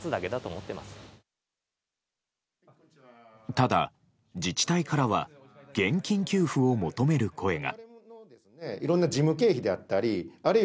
ただ、自治体からは現金給付を求める声が。